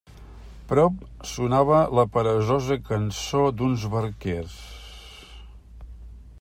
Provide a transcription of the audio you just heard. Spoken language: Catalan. Prop sonava la peresosa cançó d'uns barquers.